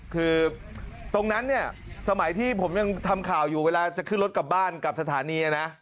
คือตรงนั้นเนี่ยสมัยที่ผมยังทำข่าวอยู่เวลาจะขึ้นรถกลับบ้านกับสถานีนะ